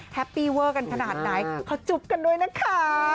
แฮปปี้เวอร์กันขนาดไหนเขาจุ๊บกันด้วยนะคะ